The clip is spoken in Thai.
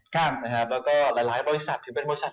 และก็หลายบริษัท